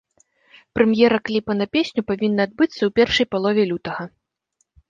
Прэм'ера кліпа на песню павінна адбыцца ў першай палове лютага.